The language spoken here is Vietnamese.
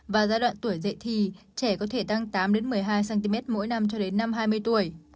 và giai đoạn tuổi dậy thì trẻ có thể tăng tám một mươi hai cm mỗi năm cho đến năm hai mươi tuổi